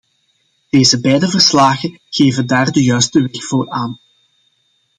Deze beide verslagen geven daar de juiste weg voor aan.